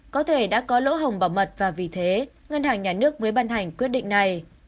có thể đã có lỗ hồng bảo mật và vì thế ngân hàng nhà nước mới ban hành quyết định này